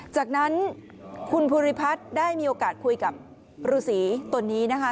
จากนั้นคุณภูริพัฒน์ได้มีโอกาสคุยกับรูสีตนนี้นะคะ